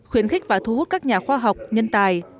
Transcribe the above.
khuyến khích và thu hút các nhà khoa học nhân tài